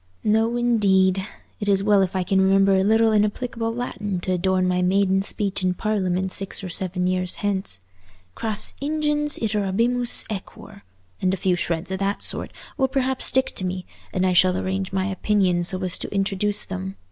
"No indeed. It's well if I can remember a little inapplicable Latin to adorn my maiden speech in Parliament six or seven years hence. 'Cras ingens iterabimus aequor,' and a few shreds of that sort, will perhaps stick to me, and I shall arrange my opinions so as to introduce them.